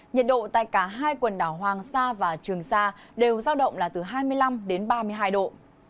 nhiệt độ tại cả hai quần đảo hoàng sa và trường sa đều giao động là từ hai mươi năm đến ba mươi hai độ